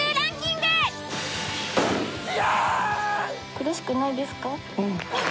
苦しくないですか？